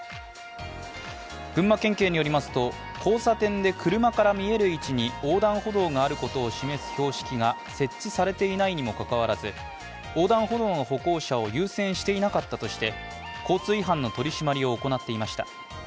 群馬県警によりますと、交差点で車から見える位置に横断歩道があることを示す標識が設置されていないにもかかわらず横断歩道の歩行者を優先していなかったとして交通違反の取り締まりを行っていました。